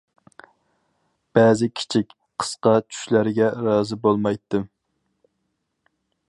بەزى كىچىك، قىسقا چۈشلەرگە رازى بولمايتتىم.